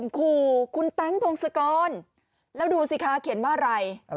คุณแตงโมเราดูสิค่ะเขียนว่าอะไร